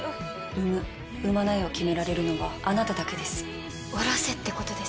産む産まないを決められるのはあなただけですおろせってことですか